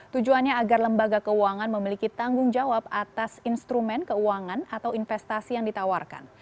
tujuannya agar lembaga keuangan memiliki tanggung jawab atas instrumen keuangan atau investasi yang ditawarkan